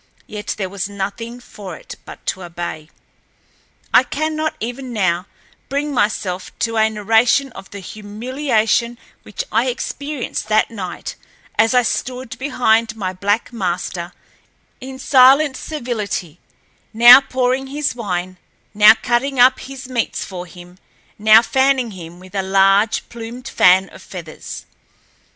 Yet there was nothing for it but to obey. I cannot, even now, bring myself to a narration of the humiliation which I experienced that night as I stood behind my black master in silent servility, now pouring his wine, now cutting up his meats for him, now fanning him with a large, plumed fan of feathers.